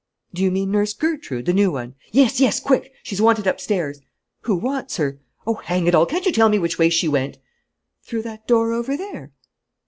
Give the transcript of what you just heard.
"Do you mean Nurse Gertrude, the new one?" "Yes, yes, quick! she's wanted upstairs." "Who wants her?" "Oh, hang it all, can't you tell me which way she went?" "Through that door over there."